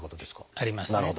ありますね。